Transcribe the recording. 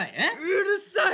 「うるさい！